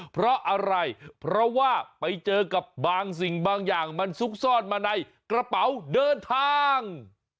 เพราะอะไรเพราะว่าไปเจอกับบางสิ่งบางอย่างมันซุกซ่อนมาในกระเป๋าเดินทาง